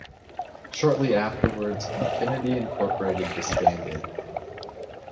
Shortly afterwards, Infinity Incorporated disbanded.